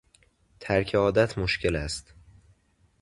ترک عادت مشکل است.